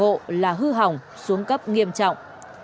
trường trung học phổ là hư hỏng xuống cấp nghiêm trọng